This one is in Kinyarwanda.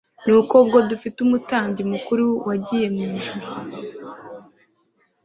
"Nuko ubwo dufite Umutambyi mukuru wagiye mu ijuru,